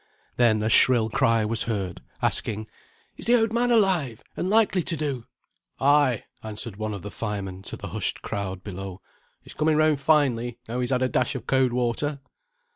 Then a shrill cry was heard, asking "Is the oud man alive, and likely to do?" "Ay," answered one of the firemen to the hushed crowd below. "He's coming round finely, now he's had a dash of cowd water."